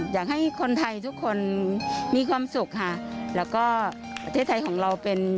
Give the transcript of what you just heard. อยากให้คนไทยทุกคนมีความสุขค่ะ